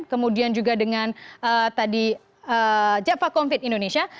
kemudian juga dengan tadi jaffa confit indonesia